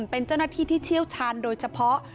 เป็นเจ้าหน้าที่ที่เชี่ยวชาญโดยเฉพาะ